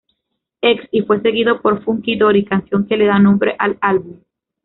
Ex" y fue seguido por Funky Dory, canción que le da nombre al álbum.